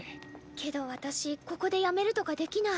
けど私ここでやめるとかできない。